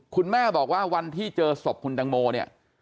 คุณแม่บอกว่าวันที่เจอศพคุณตังโมเนี่ย